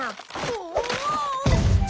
おお！